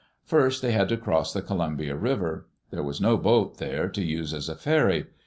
First they had to cross the Columbia River. There was no boat there to use as a ferry.